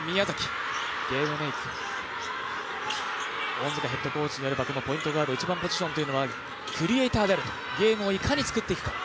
恩塚ヘッドコーチによれば、ポイントガード、１番ポジションはクリエイターであると、ゲームをいかに作っていくかと。